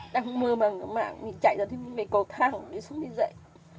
đang mơ màng ở mạng mình chạy ra thêm mấy cầu thang để xuống đi dạy